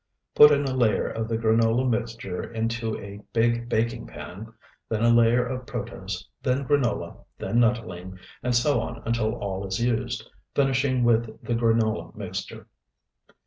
Put in a layer of the granola mixture into a big baking pan, then a layer of protose, then granola, then nuttolene, and so on until all is used, finishing with the granola mixture.